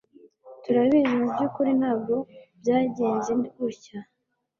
Turabizi mubyukuri ntabwo byagenze gutya.